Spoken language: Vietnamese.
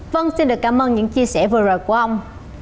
vâng xin được cảm ơn những chia sẻ vừa rồi của ông